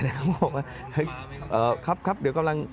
เขาบอกว่าครับเดี๋ยวกำลัง